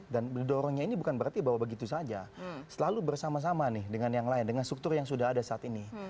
dan didorongnya ini bukan berarti bahwa begitu saja selalu bersama sama nih dengan yang lain dengan struktur yang sudah ada saat ini